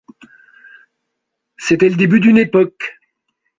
C’était le début d’une époque...